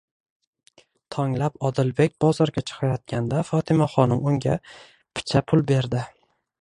Tonglab Odilbek bozorga chiqayotganda Fotimaxonim unga picha pul berdi.